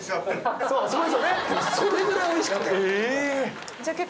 それぐらいおいしくて。